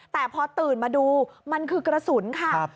แต่พอตื่นมาดูมันคือกระสุนค่ะ